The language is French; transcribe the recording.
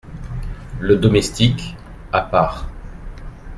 Le Domestique , à part.